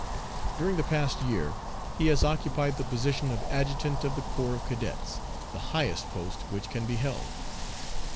During the past year he has occupied the position of Adjutant of the Corps of Cadets the highest post which can be held.